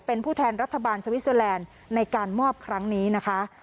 เป็นผู้แทนรัฐบาลสวิสเตอร์แลนด์ในการมอบครั้งนี้นะคะ